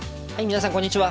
皆さんこんにちは。